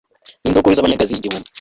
n'indogobe z'amanyagazi igihumbi